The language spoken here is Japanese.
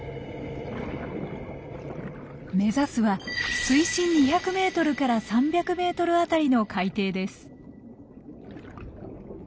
目指すは水深２００ｍから３００ｍあたりの海底です。